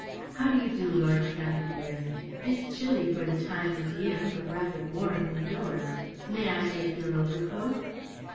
" How do you do. Lord Cantlemere ? It is chilly, for the time of year, but rather warm indoors. May I take your overcoat